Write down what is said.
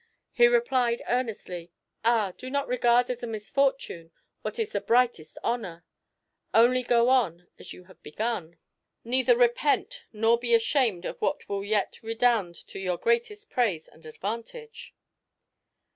He replied earnestly: "Ah! do not regard as a misfortune what is the brightest honour; only go on as you have begun; neither repent nor be ashamed of what will yet redound to your greatest praise and advantage."